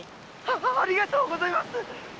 ありがとうございます！